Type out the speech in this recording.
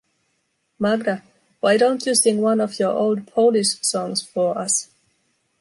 Magda, why don’t you sing one of your old Polish songs for us?